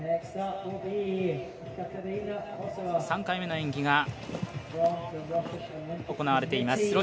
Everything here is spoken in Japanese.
３回目の演技が行われています。